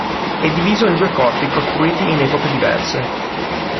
È diviso in due corpi, costruiti in epoche diverse.